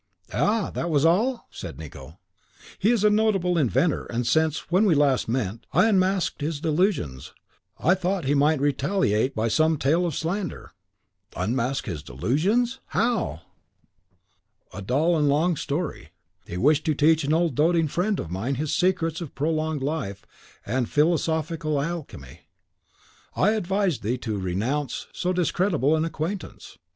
"Aha! was that all?" said Nicot. "He is a notable inventor, and since, when we met last, I unmasked his delusions, I thought he might retaliate by some tale of slander." "Unmasked his delusions! how?" "A dull and long story: he wished to teach an old doting friend of mine his secrets of prolonged life and philosophical alchemy. I advise thee to renounce so discreditable an acquaintance."